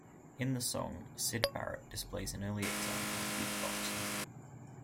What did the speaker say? In the song, Syd Barrett displays an early example of beatboxing.